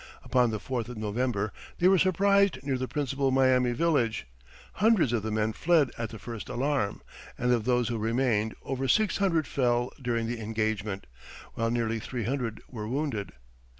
Upon the fourth of November they were surprised near the principal Miami village; hundreds of the men fled at the first alarm, and of those who remained over six hundred fell during the engagement, while nearly three hundred were wounded.